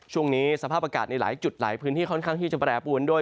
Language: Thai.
ช่วงนี้สภาพอากาศในหลายจุดหลายพื้นที่ค่อนข้างที่จะแปรปวนด้วย